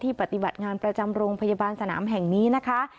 ปฏิบัติงานประจำโรงพยาบาลสนามแห่งนี้นะคะ